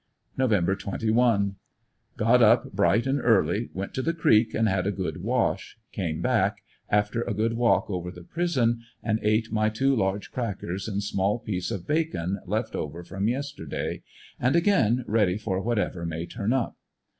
Nov. 21. — Got up bright and early, went to the creek and had a good wash, came back, after a good walk over the prison, and ate my two large crackers and small piece of bacon left over from yes terday, and again ready for w^hatever may turn up.